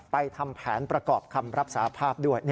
ทำแผนประกอบคำรับสาภาพด้วย